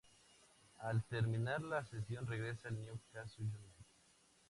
Al terminar la cesión regresa al Newcastle United.